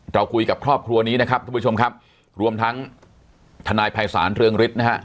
เราคุยกับครอบครัวนี้นะครับทุกผู้ชมครับรวมทั้งทนายภัยศาลเรืองฤทธินะฮะ